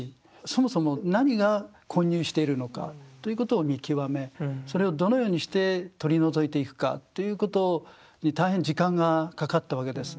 そもそも何が混入しているのかということを見極めそれをどのようにして取り除いていくかということに大変時間がかかったわけです。